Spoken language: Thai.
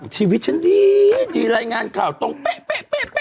ชีวิตฉันดีดีรายงานข่าวตรงเป๊ะ